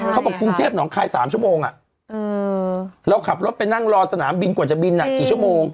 กรุงเทพหนองคาย๓ชั่วโมงเราขับรถไปนั่งรอสนามบินกว่าจะบินกี่ชั่วโมง